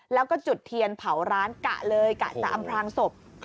แล้วก็จุดเทียนเผาร้านกะเลยกะจะอำพลางศพ